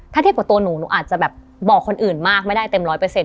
ถ้าเทียบกับตัวหนูหนูอาจจะแบบบอกคนอื่นมากไม่ได้เต็มร้อยเปอร์เซ็น